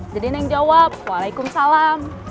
jadi yang jawab waalaikumsalam